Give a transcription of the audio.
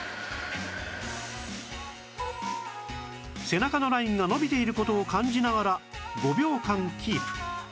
背中のラインが伸びている事を感じながら５秒間キープ